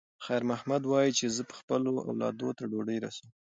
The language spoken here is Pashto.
خیر محمد وایي چې زه به خپلو اولادونو ته ډوډۍ رسوم.